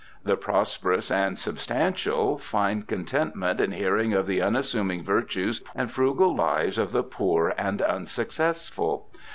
The prosperous and substantial find contentment in hearing of the unassuming virtues and frugal lives of the poor and unsuccessful.